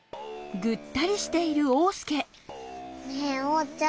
ねえおうちゃん